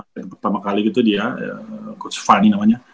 yang pertama kali gitu dia coach fani namanya